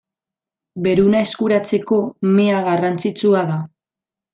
Beruna eskuratzeko mea garrantzitsua da.